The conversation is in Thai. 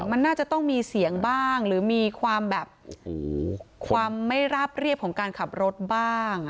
มันน่าจะต้องมีเสียงบ้างหรือมีความแบบความไม่ราบเรียบของการขับรถบ้าง